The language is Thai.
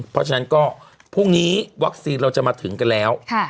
เพราะฉะนั้นก็พรุ่งนี้วัคซีนเราจะมาถึงกันแล้ว